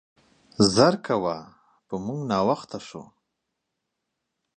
زر کوه, په مونګ ناوخته شو.